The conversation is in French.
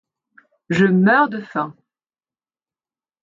Je meurs de faim.